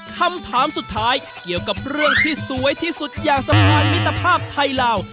คำถามสุดท้ายเกี่ยวกับเรื่องที่สวยที่สุดอย่างสะพานมิตรภาพไทยลาว